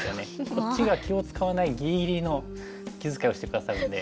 こっちが気を遣わないぎりぎりの気遣いをして下さるので。